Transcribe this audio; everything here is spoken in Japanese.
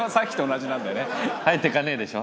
「入ってかねえ」でしょ？